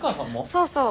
そうそう。